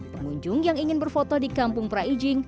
pengunjung yang ingin berfoto di kampung praijing